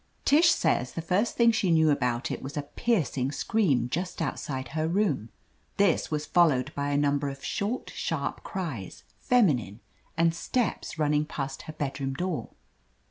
Tish says the first thing she knew about it was a piercing scream, just outside her room, I This was followed by a number of short, sharp cries, feminine, and steps running past her bed room door.